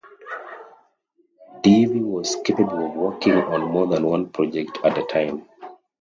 Devey was capable of working on more than one project at a time.